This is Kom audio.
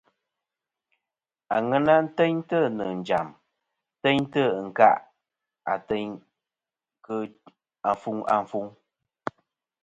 Aŋena teyntɨ nɨ̀ njàm teyntɨ ɨnkâˈ ateyn kɨ ɨfuŋ ɨfuŋ.